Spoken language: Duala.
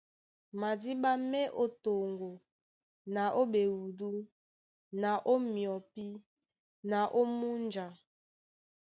Madíɓá má e ó toŋgo na ó ɓeúdu na ó myɔpí na ó múnja.